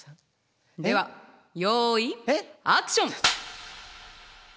ではよいアクション！